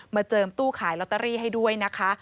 เจิมตู้ขายลอตเตอรี่ให้ด้วยนะคะ